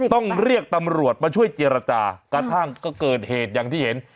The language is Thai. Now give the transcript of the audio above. ต้องเรียกตำรวจมาช่วยเจรจากระทั่งก็เกิดเหตุอย่างที่เห็น